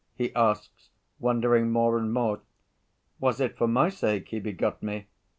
he asks, wondering more and more. 'Was it for my sake he begot me?